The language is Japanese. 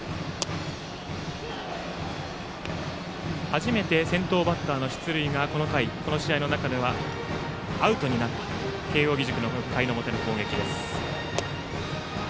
初めて先頭バッターの出塁がこの回、この試合の中ではアウトになった慶応義塾の４回の表の攻撃。